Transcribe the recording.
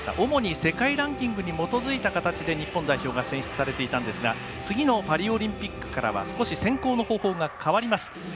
主に世界ランキングに基づいた形で日本代表が選出されていたんですが次のパリオリンピックからは少し選考の方法が変わります。